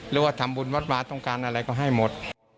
หรือว่าทำบุญวัดวาต้องการอะไรก็ให้หมด